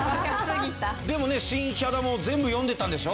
でもね新ヒャダも全部読んでたんでしょ？